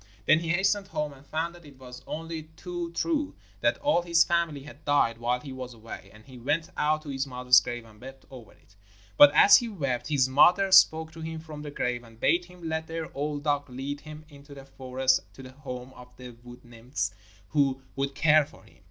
Then he hastened home, and found that it was only too true that all his family had died while he was away; and he went out to his mother's grave and wept over it. But as he wept, his mother spoke to him from the grave and bade him let their old dog lead him into the forest to the home of the wood nymphs, who would care for him.